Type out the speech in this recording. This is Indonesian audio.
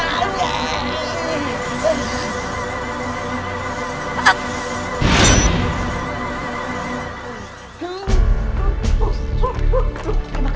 terima kasih malambe